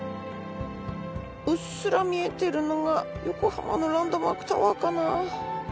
うっすら見えてるのが横浜のランドマークタワーかな？